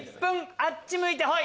あっち向いてホイ！